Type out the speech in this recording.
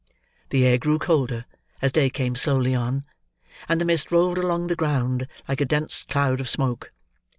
The air grew colder, as day came slowly on; and the mist rolled along the ground like a dense cloud of smoke.